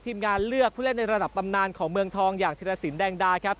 ทีมงานเลือกผู้เล่นในระดับตำนานของเมืองทองอย่างธิรสินแดงดาครับ